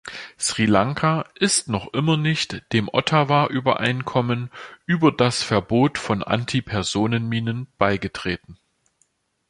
Sri Lanka ist noch immer nicht dem Ottawa-Übereinkommen über das Verbot von Antipersonenminen beigetreten.